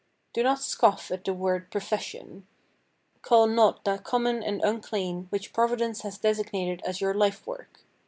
Do not scoff at the word "profession." Call not that common and unclean which Providence has designated as your life work.